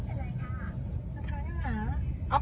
ทำให้หมา